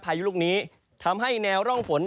พายุลูกนี้ทำให้แนวร่องฝน